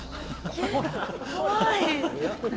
怖い。